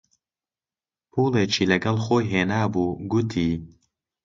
پووڵێکی لەگەڵ خۆی هێنابوو، گوتی: